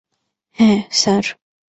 হ্যা, স্যার।